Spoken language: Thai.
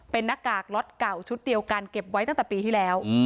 เป็นหน้ากากล็อตเก่าชุดเดียวกันเก็บไว้ตั้งแต่ปีที่แล้ว